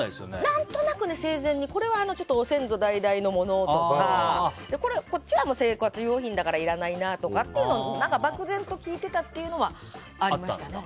何となく生前にこれは先祖代々のものとかこっちは生活用品だからいらないなっていうのは漠然と聞いてたというのはありましたね。